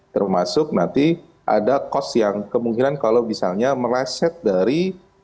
termasuk nanti ada kos yang kemungkinan kalau misalnya meleset dari